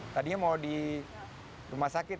tadinya mau di rumah sakit